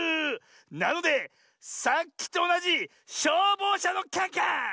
なのでさっきとおなじしょうぼうしゃのカンカン！